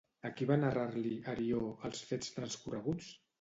A qui va narrar-li, Arió, els fets transcorreguts?